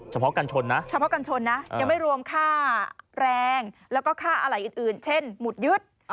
เฉพาะกัญชนนะยังไม่รวมค่าแรงแล้วก็ค่าอะไรอื่นเช่นหมุดยึด